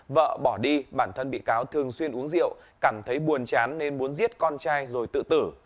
vợ bỏ đi bản thân bị cáo thường xuyên uống rượu cảm thấy buồn chán nên muốn giết con trai rồi tự tử